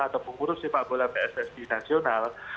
atau pengurus sepak bola pssi nasional